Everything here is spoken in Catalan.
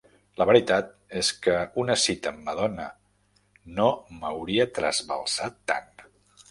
La veritat és que una cita amb Madonna no m'hauria trasbalsat tant.